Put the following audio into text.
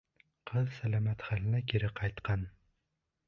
Ҡыҙ сәләмәт хәленә кире ҡайтҡан.